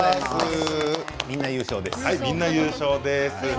みんな優勝です。